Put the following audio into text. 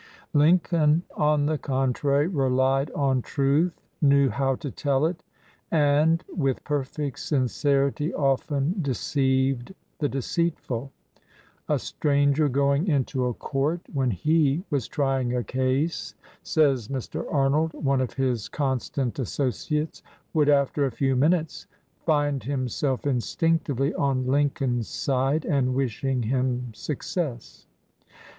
Lincoln, on the contrary, relied on truth, knew how to tell it, and "with perfect sincerity often deceived the deceitful." "A stranger going into a court when he was trying a case," says Mr. Arnold, one of his constant associates, "would after a few minutes find himself instinctively on Lincoln's side and wishing him success."